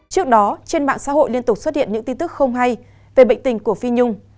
trước đó trên mạng xã hội liên tục xuất hiện những tin tức không hay về bệnh tình của phi nhung